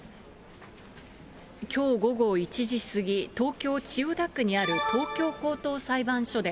きょう午後１時過ぎ、東京・千代田区にある東京高等裁判所で、